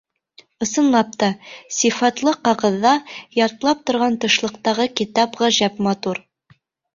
— Ысынлап та, сифатлы ҡағыҙҙа, ялтлап торған тышлыҡтағы китап ғәжәп матур.